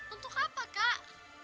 untuk apa kak